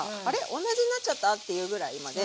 同じになっちゃった」っていうぐらいまで。